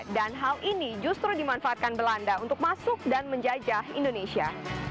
dan hal ini justru dimanfaatkan belanda untuk masuk dan menjajah indonesia